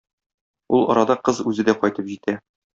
Ул арада кыз үзе дә кайтып җитә.